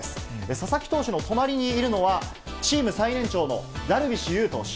佐々木投手の隣にいるのは、チーム最年長のダルビッシュ有投手。